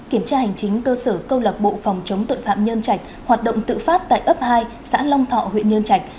kiểm tra hành chính cơ sở câu lạc bộ phòng chống tội phạm nhân trạch hoạt động tự phát tại ấp hai xã long thọ huyện nhân trạch